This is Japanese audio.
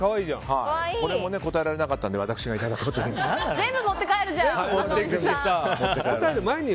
これも答えられなかったので私がいただくことに。